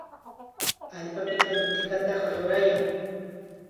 Allpapitam tikataqa rurayan.